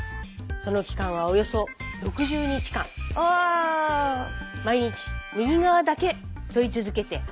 その期間はおよそ毎日右側だけそり続けて。